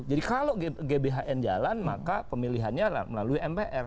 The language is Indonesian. jadi kalau gbhn jalan maka pemilihannya melalui mpr